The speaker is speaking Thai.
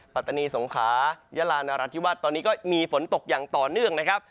ปัตตานีสงขายยาลานรัฐธิวาสตอนนี้ก็มีฝนตกอย่างต่อเนื่องนะครับ